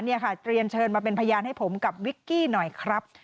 นี่ค่ะเตรียมเชิญมาเป็นพยานให้ผมกับวิกกี้หน่อยครับ